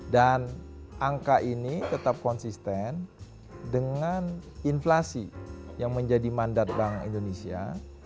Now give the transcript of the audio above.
dan angka ini tetap konsisten dengan inflasi yang menjadi mandat bank indonesia